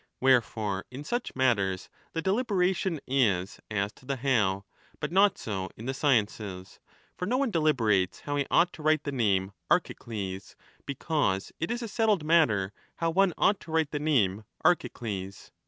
Wherefore in such matters the deliberation is as to the how, but not so in the sciences. For no one deliberates how he ought to write the name Archicles, because it is 20 a settled matter how one ought to write the name Archi cles.